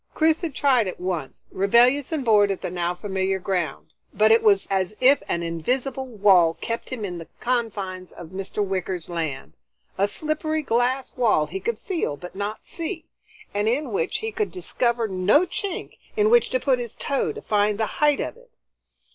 Chris had tried it once, rebellious and bored at the now familiar ground, but it was as if an invisible wall kept him in the confines of Mr. Wicker's land, a slippery glass wall he could feel but not see, and in which he could discover no chink in which to put his toe to find the height of it.